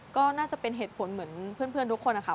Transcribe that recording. ก็น่าจะเป็นเหตุผลเหมือนเพื่อนทุกคนนะคะ